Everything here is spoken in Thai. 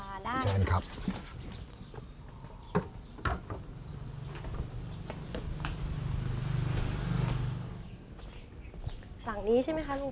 หลังนี้ใช่ไหมคะลุง